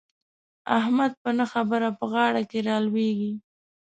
احمد په نه خبره په غاړه کې را لوېږي.